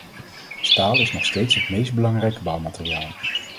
Staal is nog steeds het meest belangrijke bouwmateriaal.